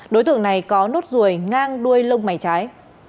đối tượng này có nốt ruồi ngang đuôi lông mày trái